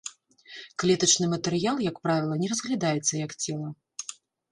Клетачны матэрыял, як правіла, не разглядаецца як цела.